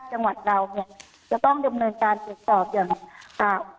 จังหวัดเราเนี่ยจะต้องดำเนินการตรวจสอบอย่างอ่า